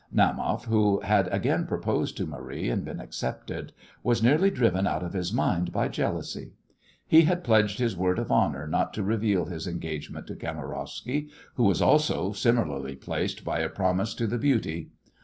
Naumoff, who had again proposed to Marie and been accepted, was nearly driven out of his mind by jealousy. He had pledged his word of honour not to reveal his engagement to Kamarowsky, who was also similarly placed by a promise to the beauty.